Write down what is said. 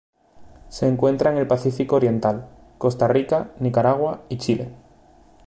Se encuentra en el Pacífico oriental: Costa Rica, Nicaragua, y Chile.